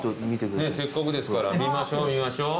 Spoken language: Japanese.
せっかくですから見ましょう見ましょう。